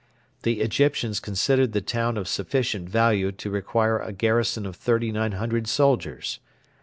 The Egyptians considered the town of sufficient value to require a garrison of 3,900 soldiers.